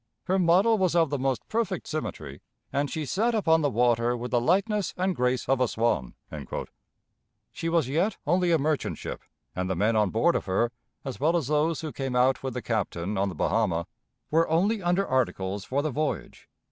Her model was of the most perfect symmetry, and she sat upon the water with the lightness and grace of a swan." She was yet only a merchant ship, and the men on board of her, as well as those who came out with the Captain on the Bahama, were only under articles for the voyage.